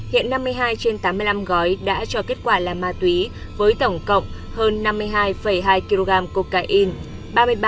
hiện năm mươi hai trên tám mươi năm gói đã cho kết quả là ma túy với tổng cộng hơn năm mươi hai hai kg cocaine